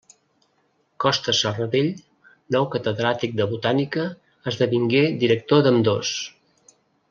Costa Serradell, nou catedràtic de botànica, esdevingué director d'ambdós.